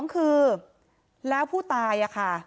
๒คือแล้วผู้ตายค่ะ